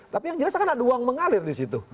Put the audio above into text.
tapi yang jelas akan ada uang mengalir di situ